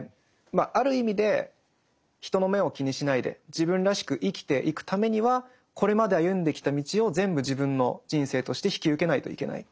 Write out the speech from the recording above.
まあある意味で人の目を気にしないで自分らしく生きていくためにはこれまで歩んできた道を全部自分の人生として引き受けないといけない。